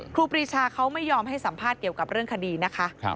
ครีชาเขาไม่ยอมให้สัมภาษณ์เกี่ยวกับเรื่องคดีนะคะ